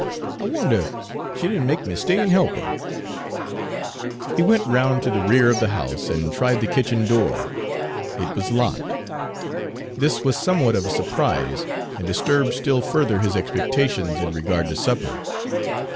"I wonder she did n' make me stay an' he'p 'er." He went round to the rear of the house and tried the kitchen door. It was locked. This was somewhat of a surprise, and disturbed still further his expectations in regard to supper.